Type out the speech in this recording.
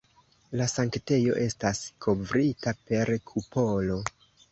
La sanktejo estas kovrita per kupolo.